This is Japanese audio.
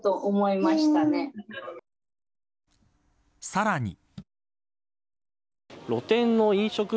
さらに。